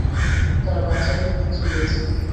তারা বাচ্চাদের খুঁজে পেয়েছে।